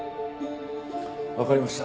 わかりました。